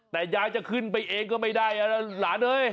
แต่ยายจะขึ้นไปเองก็ไม่ได้นะหลานเอ้ย